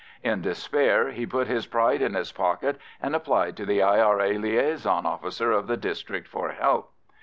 In despair he put his pride in his pocket and applied to the I.R.A. liaison officer of the district for help.